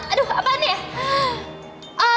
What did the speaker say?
aduh apaan nih ya